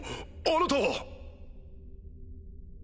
あなたは！